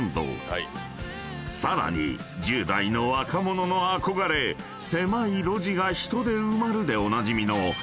［さらに１０代の若者の憧れ狭い路地が人で埋まるでおなじみの］